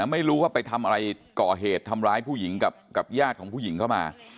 ไม่รู้ว่าไปทำอะไรก่อเหตุทำร้ายผู้หญิงกับญาติของผู้หญิงเข้ามา